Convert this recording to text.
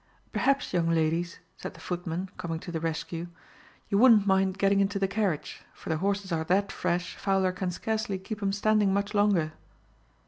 "Perhaps, young ladies," said the footman, coming to the rescue, "you wouldn't mind getting into the carriage, for the horses are that fresh Fowler can scarcely keep 'em standing much longer."